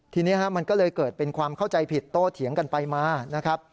ทีนี้มันก็เลยเกิดเป็นความเข้าใจผิดโต้เถียงกันไปมานะครับ